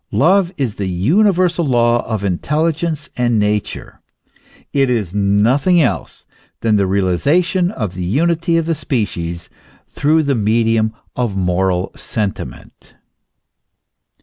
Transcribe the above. Love is the universal law of intelligence and Nature ; it is nothing else than the realization of the unity of the species through the medium of moral sentiment.